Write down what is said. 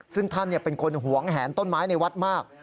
ซึ่งท่านเป็นคนหวงแหนต้นไม้ในวัดมาก